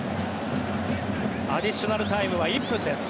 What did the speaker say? アディショナルタイムは１分です。